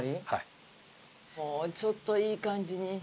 ちょっといい感じに。